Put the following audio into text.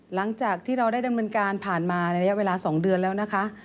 หลังจากที่เราได้ดำเนินการผ่านมาในระยะเวลา๒เดือนแล้วนะคะ